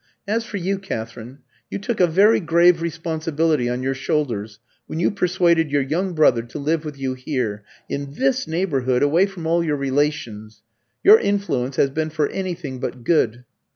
As for you, Katherine, you took a very grave responsibility on your shoulders when you persuaded your young brother to live with you here, in this neighbourhood, away from all your relations. Your influence has been for anything but good."